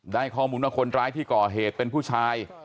ข้อมูลว่าคนร้ายที่ก่อเหตุเป็นผู้ชาย